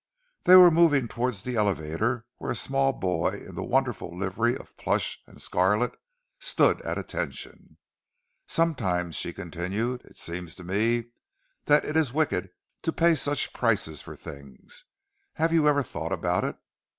They were moving towards the elevator, where a small boy in the wonderful livery of plush and scarlet stood at attention. "Sometimes," she continued, "it seems to me that it is wicked to pay such prices for things. Have you ever thought about it?"